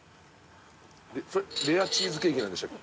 レアチーズケーキなんでしたっけ？